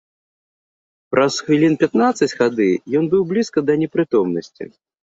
Праз хвілін пятнаццаць хады ён быў блізка да непрытомнасці.